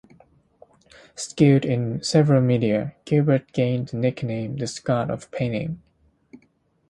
Skilled in several media, Gilbert gained the nickname, "the Scott of painting".